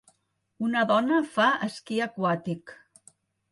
Una dona fa esquí aquàtic